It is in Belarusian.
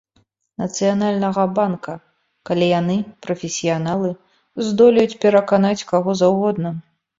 Нацыянальнага банка, калі яны прафесіяналы, здолеюць пераканаць каго заўгодна.